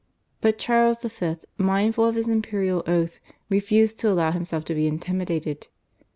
But Charles V., mindful of his imperial oath, refused to allow himself to be intimidated.